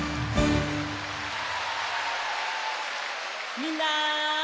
みんな！